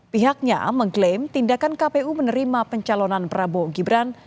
pihaknya mengklaim tindakan kpu menerima pencalonan prabowo gibran